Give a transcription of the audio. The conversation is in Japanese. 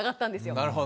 なるほどね。